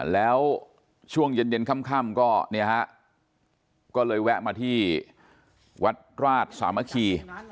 แล้วช่วงเย็นค่ำนะครับก็เลยแวะมาที่วัดราชสามะกรี